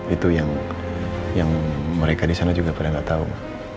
itu yang mereka di sana juga pada nggak tahu